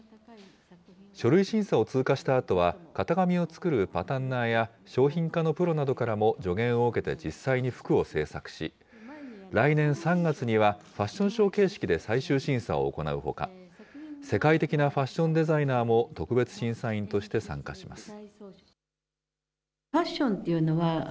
書類審査を通過したあとは、型紙を作るパタンナーや商品化のプロなどからも助言を受けて実際に服を制作し、来年３月にはファッションショー形式で最終審査を行うほか、世界的なファッションデザイナーも、特別審査員として参加します。